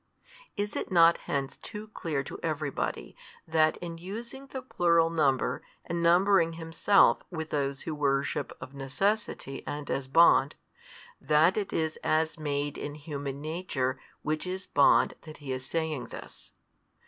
Is it not hence too clear to every body that in using the plural number and numbering Himself with those who worship of necessity and as bond, that it is as made in human nature which is bond that He is saying this?